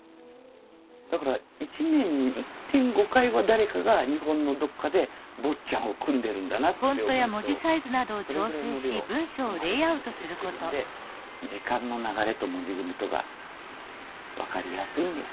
だから１年に１．５回は誰かが日本のどっかで「坊っちゃん」を組んでるんだなって思うとそれぐらいの量組まれ続けてきてるんで時間の流れと文字組みとが分かりやすいんです。